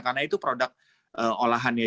karena itu produk olahannya